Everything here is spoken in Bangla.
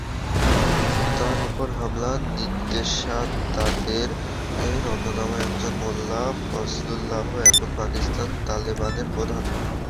তার ওপর হামলার নির্দেশদাতাদের অন্যতম একজন মোল্লা ফজলুল্লাহ এখন পাকিস্তান তালেবানের প্রধান।